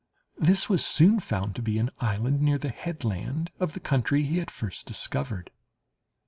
This was soon found to be an island near the headland of the country he had first discovered.